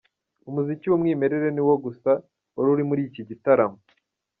Umuziki w'umwimerere ni wo gusa wari uri muri iki gitaramo .